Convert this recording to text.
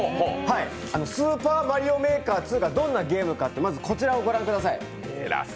「スーパーマリオメーカー２」がどんなゲームか、まず、こちらをご覧ください。